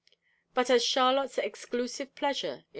But as Charlotte's exclusive pleasure in M.